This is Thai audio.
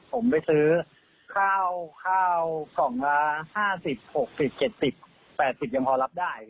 ผมไปซื้อข้าวกล่องละ๕๐๖๐๗๐๘๐ยังพอรับได้